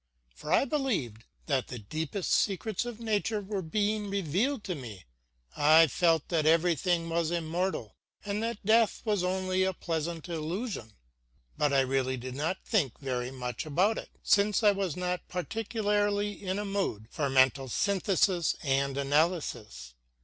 For I believed that the deep secrets of nature were being revealed to me; I felt that everything was immortal and that death was only a pleasant illusion. But I really did not think very much about it, since I was not particularly in a mood for mental synthesis and analysis.